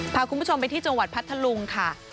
พาคุณผู้ชมไปที่จังหวัดพัทธลุงค่ะ